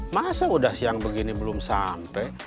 masa udah siang begini belum sampai